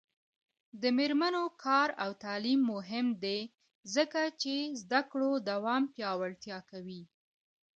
د میرمنو کار او تعلیم مهم دی ځکه چې زدکړو دوام پیاوړتیا کوي.